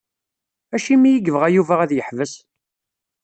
Acimi i yebɣa Yuba ad yeḥbes?